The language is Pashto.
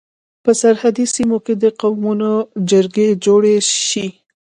په سرحدي سيمو کي د قومونو جرګي جوړي سي.